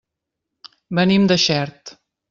Venim de Xert.